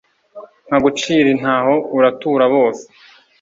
Mpagucira intaho uratura bose